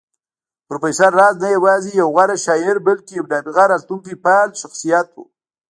پروفېسر راز نه يوازې يو غوره شاعر بلکې يو نابغه راتلونکی پال شخصيت و